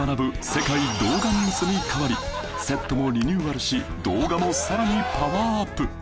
世界動画ニュース』に変わりセットもリニューアルし動画もさらにパワーアップ！